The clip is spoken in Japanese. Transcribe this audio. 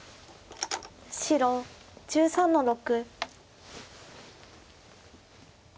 白１３の六。